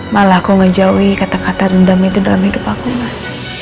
malah aku ngejauhi kata kata dendam itu dalam hidup aku mas